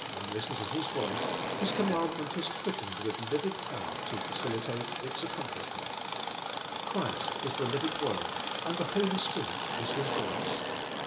and listen to His voice, His command ment is quickened with living power to facilitate its accomplishment. Christ is the living Word and the Holy Spirit is His voice.